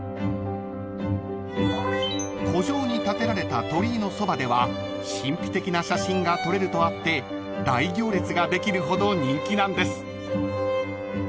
［湖上にたてられた鳥居のそばでは神秘的な写真が撮れるとあって大行列ができるほど人気なんです］